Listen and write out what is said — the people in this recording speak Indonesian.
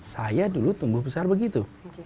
saya dulu tumbuh besar begitu